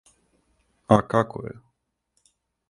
А како је?